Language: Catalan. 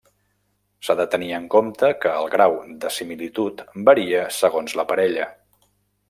S’ha de tenir en compte que el grau de similitud varia segons la parella.